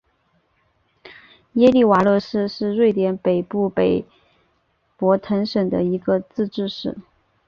耶利瓦勒市是瑞典北部北博滕省的一个自治市。